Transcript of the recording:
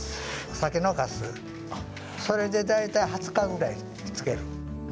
酒のかすそれで大体、２０日ぐらい漬ける。